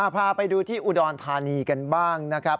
พาไปดูที่อุดรธานีกันบ้างนะครับ